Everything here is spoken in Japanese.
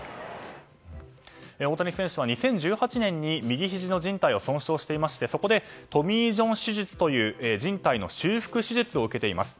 大谷選手は２０１８年に右ひじのじん帯を損傷していましてそこでトミー・ジョン手術というじん帯の修復手術を受けています。